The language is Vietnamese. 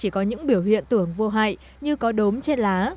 chỉ có những biểu hiện tưởng vô hại như có đốm trên lá